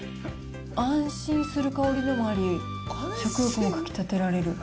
安心する香りでもあり、食欲もかき立てられる。